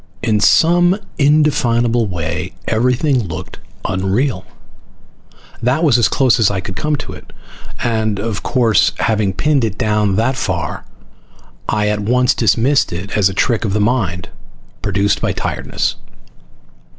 In some indefinable way everything looked unreal. That was as close as I could come to it, and of course having pinned it down that far I at once dismissed it as a trick of the mind produced by tiredness.